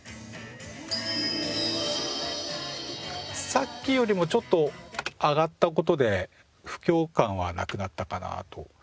さっきよりもちょっと上がった事で不協感はなくなったかなと。